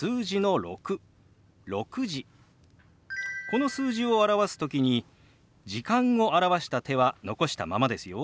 この数字を表す時に「時間」を表した手は残したままですよ。